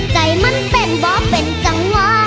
ใจมันเป็นบ่เป็นจังหวะ